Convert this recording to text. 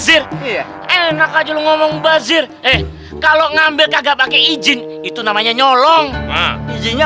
ih kau kena orang lagi yang tolongin